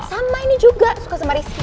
sama ini juga suka sama rizky